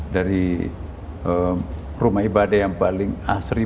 dari rumah ibadah yang paling asri